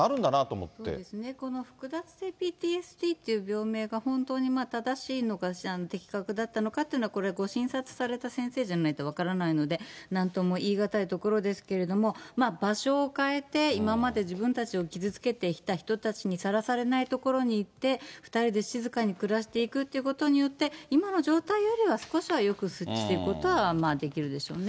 そうですね、複雑性ＰＴＳＤっていう病名が本当に正しいのか、的確だったのかっていうのは、これ、ご診察された先生じゃないと分からないので、なんとも言い難いところですけれども、場所を変えて、今まで自分たちを傷つけてきた人たちにさらされない所に行って、２人で静かに暮らしていくっていうことによって、今の状態よりは少しはよくしていくことはできるでしょうね。